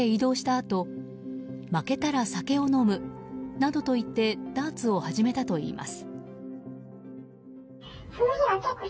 あと負けたら酒を飲む、などと言ってダーツを始めたといいます。